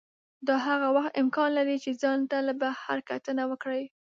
دا هغه وخت امکان لري چې ځان ته له بهر کتنه وکړئ.